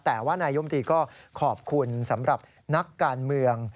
แต่ว่านายมตรีก็ขอบคุณสำหรับนักการเมือง